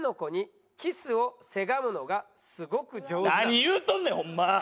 何言うとんねんホンマ！